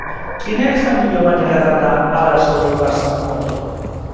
Quina és la millor manera d'anar a les Oluges amb moto?